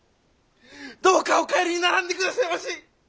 どうかお帰りにならんでくだせまし！